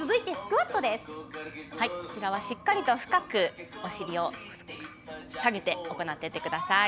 こちらはしっかりと深くお尻を下げて行っていってください。